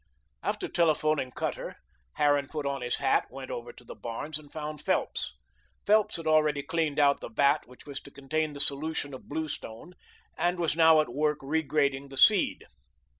After telephoning Cutter, Harran put on his hat, went over to the barns, and found Phelps. Phelps had already cleaned out the vat which was to contain the solution of blue stone, and was now at work regrading the seed.